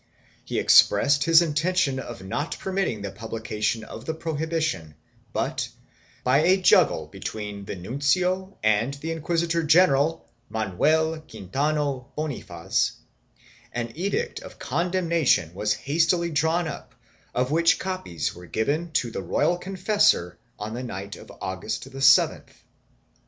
He expressed his intention of not permitting the publica tion of the prohibition but, by a juggle between the nuncio and the inquisitor general, Manuel Quintano Bonifaz, an edict of condemnation was hastily drawn up of which copies were given to the royal confessor on the night of August 7th.